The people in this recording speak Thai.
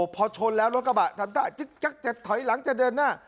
พอชนแล้วรถกระบะทำท่าจึ๊กจะถอยหลังจะเดินหน้า